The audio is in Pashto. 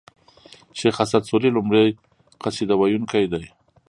شېخ اسعد سوري لومړی قصيده و يونکی دﺉ.